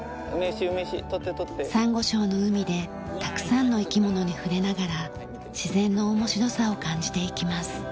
サンゴ礁の海でたくさんの生き物に触れながら自然の面白さを感じていきます。